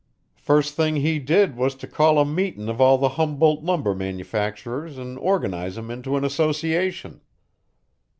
First thing he did was to call a meetin' of all the Humboldt lumber manufacturers an' organize 'em into an association.